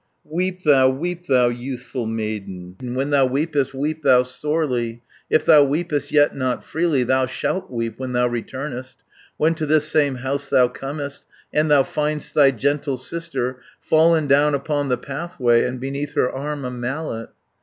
"Weep thou, weep thou, youthful maiden, When thou weepest, weep thou sorely. If thou weepest yet not freely, Thou shalt weep when thou returnest, When to this same house thou comest, And thou find'st thy gentle sister 380 Fallen down upon the pathway, And beneath her arm a mallet."